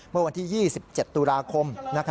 เมื่อวันที่๒๗ตุลาคม